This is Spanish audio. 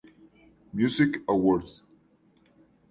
Music Awards.